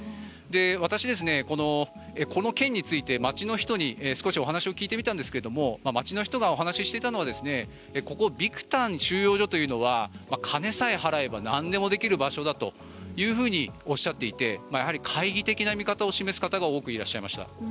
私、この件について街の人に少しお話を聞いてみたんですが街の人がお話していたのはここ、ビクタン収容所というのは金さえ払えばなんでもできる場所だとおっしゃっていてやはり懐疑的な見方を示す方が多くいらっしゃいました。